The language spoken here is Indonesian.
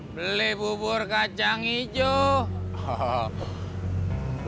beli bubur kacang hijau